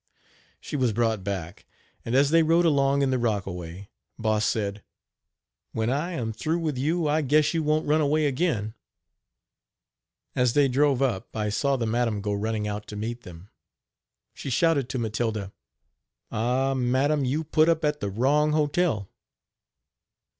She was brought back, and as they rode along in the rockaway, Boss said: "When I am through with you I guess you won't run away again." As they drove up I saw the madam go running out to meet them. She shouted to Matilda: "Ah! madam, you put up at the wrong hotel.